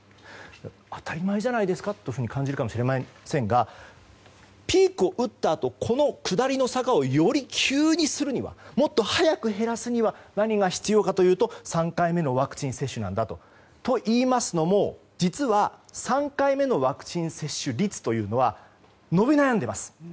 当たり前じゃないですかと感じるかもしれませんがピークを打ったあとこの下りの坂をより急にするにはもっと早く減らすには何が必要かというと３回目のワクチン接種なんだと。といいますのも実は３回目のワクチン接種率というのは伸び悩んでいます。